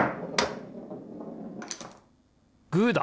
グーだ！